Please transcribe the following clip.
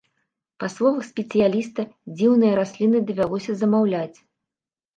Па словах спецыяліста, дзіўныя расліны давялося замаўляць.